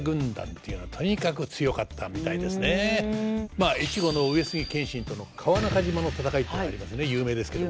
まあ越後の上杉謙信との川中島の戦いっていうのありますね有名ですけど。